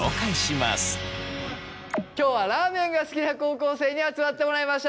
今日はラーメンが好きな高校生に集まってもらいました。